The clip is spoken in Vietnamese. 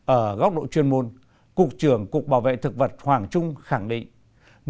ở góc độ chuyên môn cục trưởng cục bảo vệ thực vật hoàng trung khẳng định